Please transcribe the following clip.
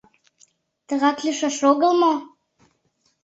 Тыгак лийшаш огыл мо?